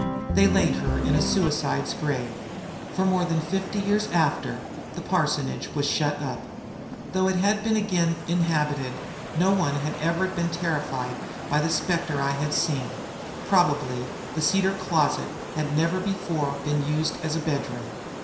They laid her in a suicide's grave. For more than fifty years after the parsonage was shut up. Though it had been again inhabited no one had ever been terrified by the specter I had seen; probably the Cedar Closet had never before been used as a bedroom.